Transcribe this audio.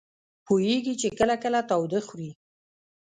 پوهېږي چې کله کله تاوده خوري.